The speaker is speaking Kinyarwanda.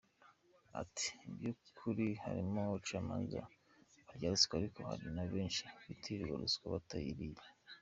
Ati “Mubyukuri harimo abacamanza barya ruswa ariko hari na benshi bitirirwa ruswa batayiriye.